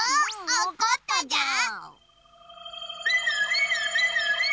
おこったじゃー！